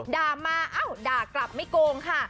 ด่ามาเอ้าด่ากลับไม่โกงค่ะ